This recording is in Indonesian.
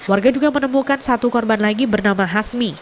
warga juga menemukan satu korban lagi bernama hasmi